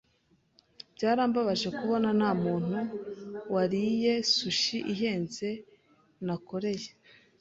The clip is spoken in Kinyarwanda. Byarambabaje kubona ntamuntu wariye sushi ihenze nakoreye.